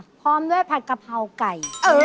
พร้อมด้วยผัดกะเพราไก่